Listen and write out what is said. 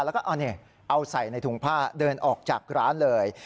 แล้วก็เอาใส่ในถุงผ้าเดินออกจากร้านเลย